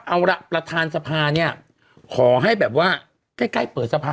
เอาละประธานสภาเนี่ยขอให้แบบว่าใกล้เปิดสภา